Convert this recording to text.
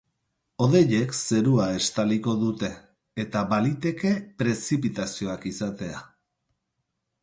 Hodeiek zerua estaliko dute eta baliteke prezipitazioak izatea.